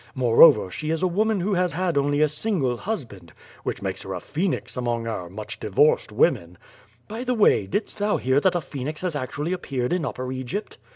Moreover, she is a woman who has had only a single hus band— ^which makes her a phoenix among our much divorcod women. By the way, didst thou hear that a phoenix has actually appeared in Upper Egypt?